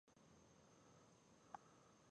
د څرمي توکو کارول دود و